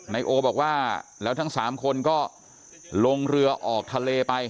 นายโอบอกว่าแล้วทั้ง๓คนก็ลงเรือออกทะเลไป